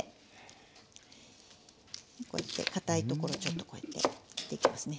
かたいところをちょっとこうやって切っていきますね。